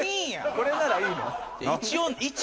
これならいいの？